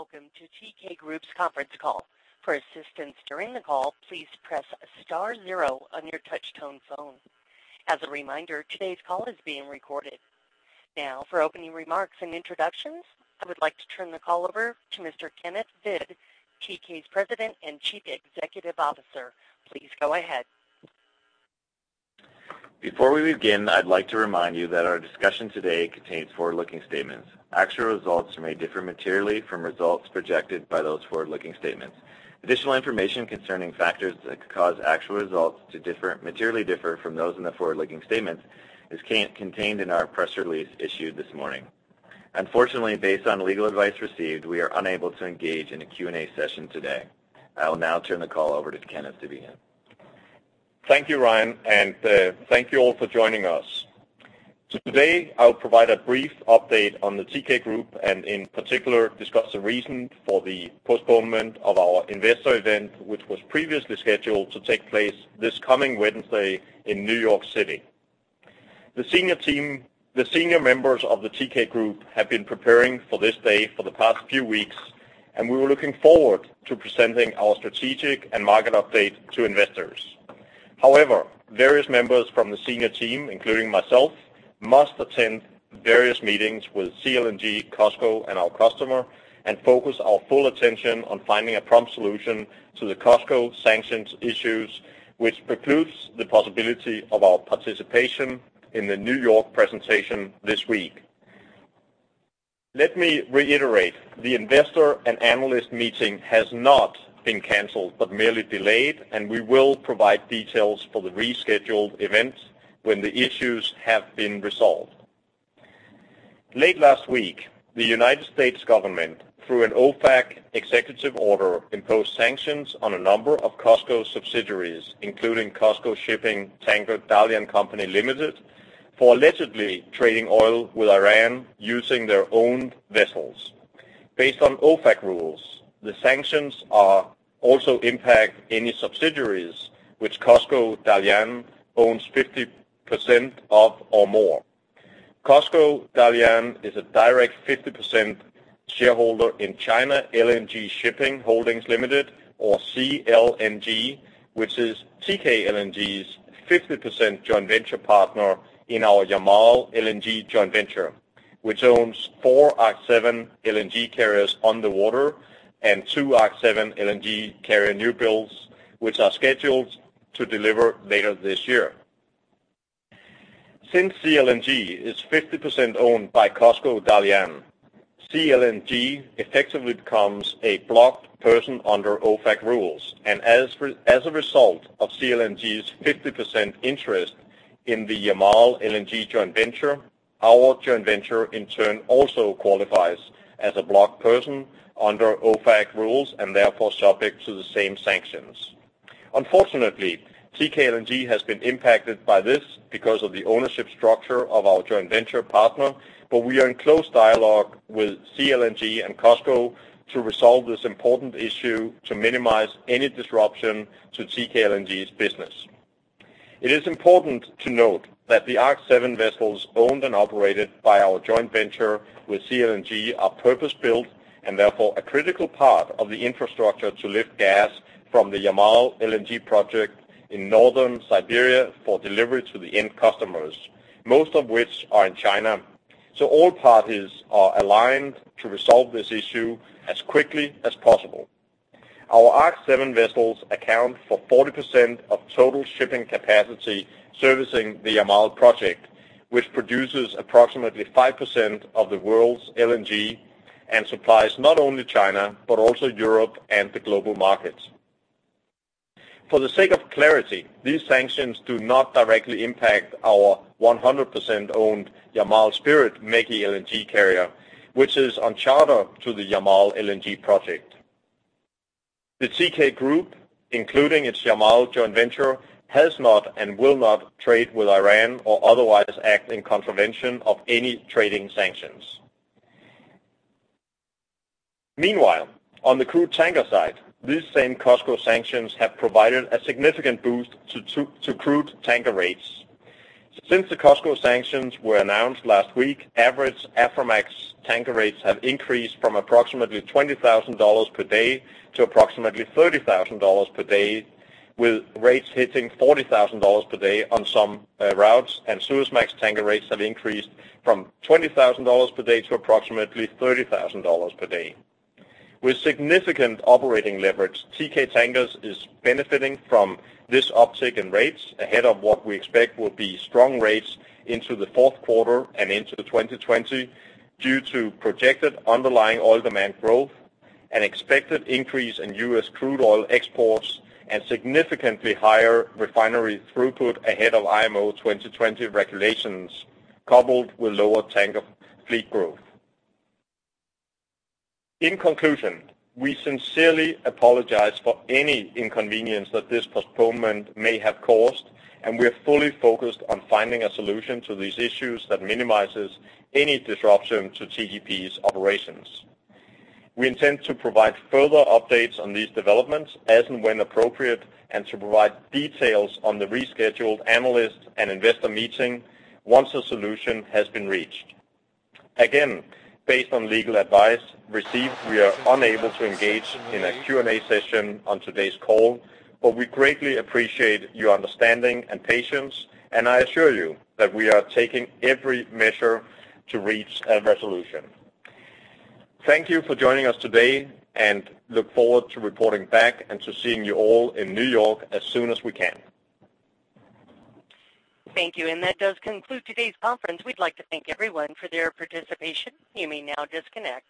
Welcome to Teekay Group's conference call. For assistance during the call, please press star zero on your touch-tone phone. As a reminder, today's call is being recorded. Now, for opening remarks and introductions, I would like to turn the call over to Mr. Kenneth Hvid, Teekay's President and Chief Executive Officer. Please go ahead. Before we begin, I'd like to remind you that our discussion today contains forward-looking statements. Actual results may differ materially from results projected by those forward-looking statements. Additional information concerning factors that could cause actual results to materially differ from those in the forward-looking statements is contained in our press release issued this morning. Unfortunately, based on legal advice received, we are unable to engage in a Q&A session today. I will now turn the call over to Kenneth to begin. Thank you, Ryan, and thank you all for joining us. Today, I'll provide a brief update on the Teekay Group and, in particular, discuss the reason for the postponement of our investor event, which was previously scheduled to take place this coming Wednesday in New York City. The senior members of the Teekay Group have been preparing for this day for the past few weeks, and we were looking forward to presenting our strategic and market update to investors. However, various members from the senior team, including myself, must attend various meetings with CLNG, COSCO, and our customer and focus our full attention on finding a prompt solution to the COSCO sanctions issues, which precludes the possibility of our participation in the New York presentation this week. Let me reiterate, the investor and analyst meeting has not been canceled, but merely delayed, and we will provide details for the rescheduled event when the issues have been resolved. Late last week, the U.S. government, through an OFAC executive order, imposed sanctions on a number of COSCO subsidiaries, including COSCO Shipping Tanker (Dalian) Co., Ltd., for allegedly trading oil with Iran using their own vessels. Based on OFAC rules, the sanctions also impact any subsidiaries which COSCO Dalian owns 50% of or more. COSCO Dalian is a direct 50% shareholder in China LNG Shipping (Holdings) Limited, or CLNG, which is Teekay LNG's 50% joint venture partner in our Yamal LNG joint venture, which owns 4 Arc7 LNG carriers on the water and 2 Arc7 LNG carrier new builds, which are scheduled to deliver later this year. Since CLNG is 50% owned by COSCO Dalian, CLNG effectively becomes a blocked person under OFAC rules, and as a result of CLNG's 50% interest in the Yamal LNG joint venture, our joint venture, in turn, also qualifies as a blocked person under OFAC rules, and therefore subject to the same sanctions. Unfortunately, Teekay LNG has been impacted by this because of the ownership structure of our joint venture partner, but we are in close dialogue with CLNG and COSCO to resolve this important issue to minimize any disruption to Teekay LNG's business. It is important to note that the Arc7 vessels owned and operated by our joint venture with CLNG are purpose-built, and therefore a critical part of the infrastructure to lift gas from the Yamal LNG project in northern Siberia for delivery to the end customers, most of which are in China. All parties are aligned to resolve this issue as quickly as possible. Our Arc7 vessels account for 40% of total shipping capacity servicing the Yamal project, which produces approximately 5% of the world's LNG and supplies not only China, but also Europe and the global markets. For the sake of clarity, these sanctions do not directly impact our 100% owned Yamal Spirit, mega LNG carrier, which is on charter to the Yamal LNG project. The Teekay Group, including its Yamal joint venture, has not and will not trade with Iran or otherwise act in contravention of any trading sanctions. Meanwhile, on the crude tanker side, these same COSCO sanctions have provided a significant boost to crude tanker rates. Since the COSCO sanctions were announced last week, average Aframax tanker rates have increased from approximately $20,000 per day to approximately $30,000 per day, with rates hitting $40,000 per day on some routes, and Suezmax tanker rates have increased from $20,000 per day to approximately $30,000 per day. With significant operating leverage, Teekay Tankers is benefiting from this uptick in rates ahead of what we expect will be strong rates into the fourth quarter and into 2020 due to projected underlying oil demand growth, an expected increase in U.S. crude oil exports, and significantly higher refinery throughput ahead of IMO 2020 regulations, coupled with lower tanker fleet growth. In conclusion, we sincerely apologize for any inconvenience that this postponement may have caused, and we are fully focused on finding a solution to these issues that minimizes any disruption to Teekay P's operations. We intend to provide further updates on these developments as and when appropriate, and to provide details on the rescheduled analyst and investor meeting once a solution has been reached. Again, based on legal advice received, we are unable to engage in a Q&A session on today's call, but we greatly appreciate your understanding and patience, and I assure you that we are taking every measure to reach a resolution. Thank you for joining us today, and look forward to reporting back and to seeing you all in New York as soon as we can. Thank you, and that does conclude today's conference. We'd like to thank everyone for their participation. You may now disconnect.